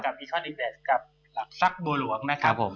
กับอีกข้อนิดเดียวกับหลักทรัพย์บัวหลวงนะครับ